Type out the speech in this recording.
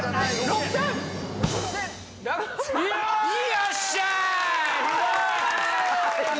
よっしゃあ！